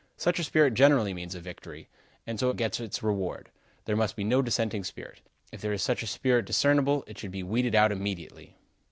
Such a spirit generally means a victory, and so gets its reward. There must be no dissenting spirit. If there is such a spirit discernible, it should be weeded out immediately.